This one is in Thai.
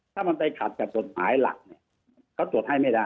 ถ้ามันไปขัดกับกฎหมายหลักเนี่ยเขาตรวจให้ไม่ได้